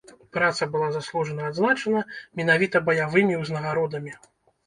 Праца была заслужана адзначана менавіта баявымі ўзнагародамі.